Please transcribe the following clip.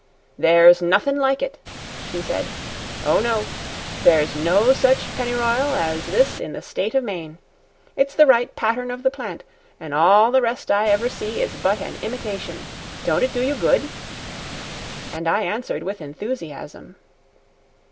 "There's nothin' like it," she said; "oh no, there's no such pennyr'yal as this in the state of Maine. It's the right pattern of the plant, and all the rest I ever see is but an imitation. Don't it do you good?" And I answered with enthusiasm.